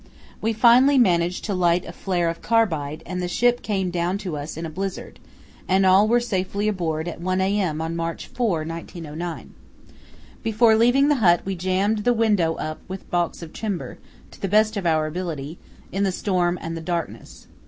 We finally managed to light a flare of carbide, and the ship came down to us in a blizzard, and all were safely aboard at 1 a.m. on March 4, 1909. Before leaving the hut we jammed the window up with baulks of timber, to the best of our ability, in the storm and darkness.